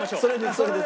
それです。